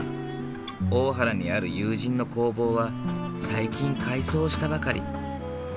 大原にある友人の工房は最近改装したばかり。